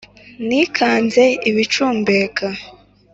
Nikanze ibicumbeka,